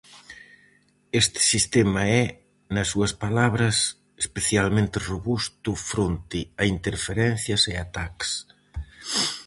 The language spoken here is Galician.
Este sistema é, nas súas palabras, "especialmente robusto fronte a interferencias e ataques".